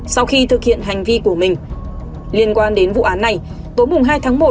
sau khi thực hiện hành vi của mình liên quan đến vụ án này tối hai tháng một